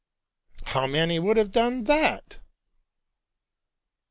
'* How many would have done that!